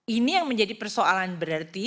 ini yang menjadi persoalan berarti